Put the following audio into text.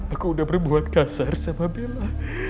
aku udah berbuat dasar sama bella